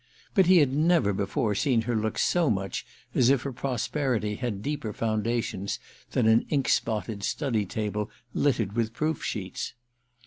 But he had never before seen her look so much as if her prosperity had deeper foundations than an ink spotted study table littered with proof sheets.